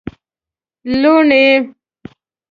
لوڼی